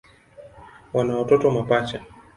Wana watoto mapacha.